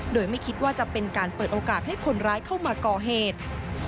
โดยไม่คิดว่าจะเป็นการเปิดโอกาสให้คนร้ายเข้ามาก่อเหตุ